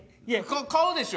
買うでしょ？